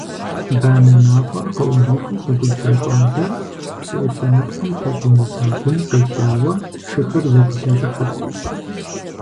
Банэ мафӀэр къыӀурихыу къэгубжьа щӀалэр псыӀуфэ нэпкъым пэщӀэува гум къелъауэ, шыхэр зэпилъэщӀыхьырт.